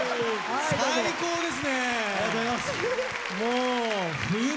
最高です！